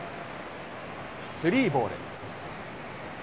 スリーボール。